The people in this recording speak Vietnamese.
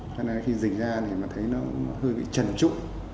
cho nên khi dịch ra thì nó thấy nó hơi bị trần trụ